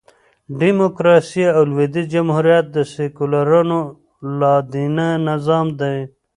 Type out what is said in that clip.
ډيموکراسي او لوېدیځ جمهوریت د سیکولرانو لا دینه نظام دئ.